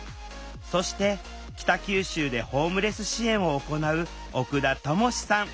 そして北九州でホームレス支援を行う奥田知志さん。